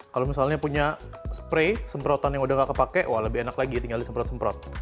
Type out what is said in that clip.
kalau misalnya punya spray semprotan yang udah gak kepake wah lebih enak lagi tinggal disemprot semprot